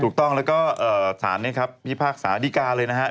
ถูกต้องแล้วก็ศาลนี่ครับพี่ภาคศาสตร์ดิกาเลยนะครับ